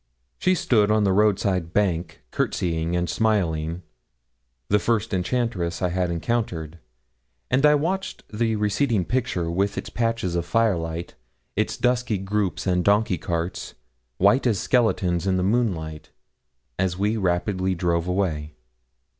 She stood on the road side bank courtseying and smiling, the first enchantress I had encountered, and I watched the receding picture, with its patches of firelight, its dusky groups and donkey carts, white as skeletons in the moonlight, as we drove rapidly away.